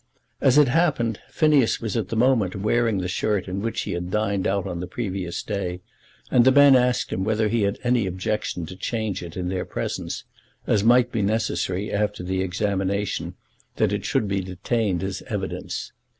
As it happened, Phineas was at the moment wearing the shirt in which he had dined out on the previous day, and the men asked him whether he had any objection to change it in their presence, as it might be necessary, after the examination, that it should be detained as evidence.